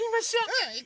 うん！